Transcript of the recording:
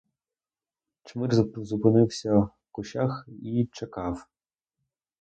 Чмир зупинився в кущах і чекав.